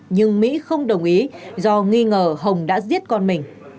nhưng mỹ không đồng ý do nghi ngờ hồng đã giết con mình